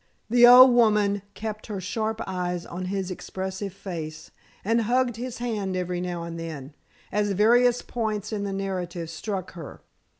The old woman kept her sharp eyes on his expressive face and hugged his hand every now and then, as various points in the narrative struck her.